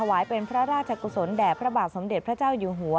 เป็นพระราชกุศลแด่พระบาทสมเด็จพระเจ้าอยู่หัว